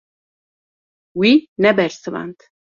Wî nebersivand.